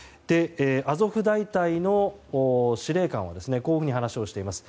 アゾフ大隊の司令官はこう話しています。